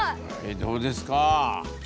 どうですか？